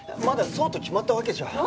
まだそうと決まったわけじゃ。